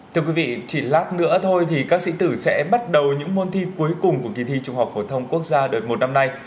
thưa quý vị chỉ lát nữa thôi thì các sĩ tử sẽ bắt đầu những môn thi cuối cùng của kỳ thi trung học phổ thông quốc gia đợt một năm nay